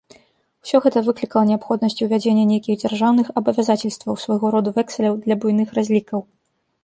Усё гэта выклікала неабходнасць увядзення нейкіх дзяржаўных абавязацельстваў, свайго роду вэксаляў для буйных разлікаў.